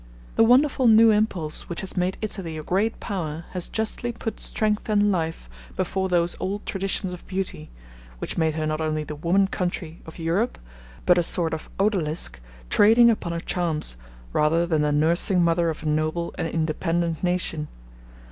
The wonderful new impulse which has made Italy a great power has justly put strength and life before those old traditions of beauty, which made her not only the 'woman country' of Europe, but a sort of Odalisque trading upon her charms, rather than the nursing mother of a noble and independent nation.